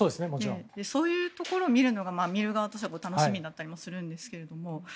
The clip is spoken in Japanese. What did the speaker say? そういうところを見るのが見る側としては楽しみだったりもするんですけど